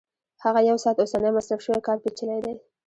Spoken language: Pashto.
هغه یو ساعت اوسنی مصرف شوی کار پېچلی دی